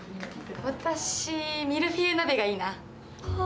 私、ミルフィーユ鍋がいいな。